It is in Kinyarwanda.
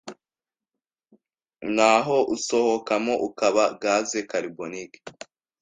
naho usohokamo ukaba gaz carbonique.